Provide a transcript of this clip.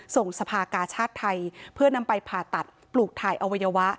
ส่งสภากาชาติไทยเพื่อนำไปผ่าตัดปลูกถ่ายอวัยวะ